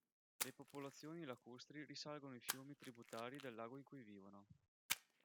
Le popolazioni lacustri risalgono i fiumi tributari del lago in cui vivono.